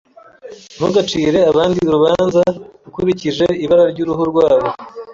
Ntugacire abandi urubanza ukurikije ibara ryuruhu rwabo.